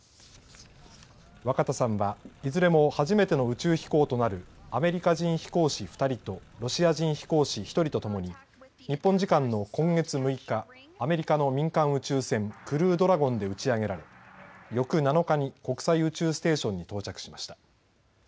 若田さんはいずれも初めての宇宙飛行となるアメリカ人飛行士２人とロシア人飛行士１人と共に日本時間の今月６日アメリカの民間宇宙船クルードラゴンで打ち上げられ翌７日に国際宇宙ステーションに到着しました。